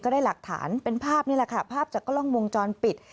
ได้หลักฐานเป็นภาพนี่แหละค่ะภาพจากกล้องวงจรปิด